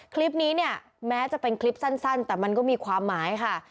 คลิปนี้เนี่ยแม้จะเป็นคลิปสั้นแต่มันก็มีความหมายค่ะ